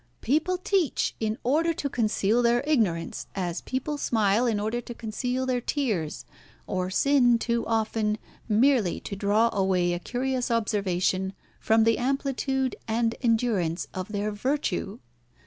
"People teach in order to conceal their ignorance, as people smile in order to conceal their tears, or sin, too often, merely to draw away a curious observation from the amplitude and endurance of their virtue.